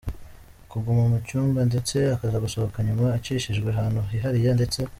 kuguma mu cyumba, ndetse akaza gusohoka nyuma acishijwe ahantu hihariye, ndetse.